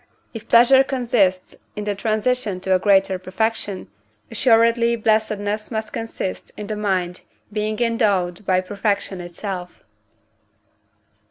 If pleasure consists in the transition to a greater perfection, assuredly blessedness must consist in the mind being endowed with perfection itself.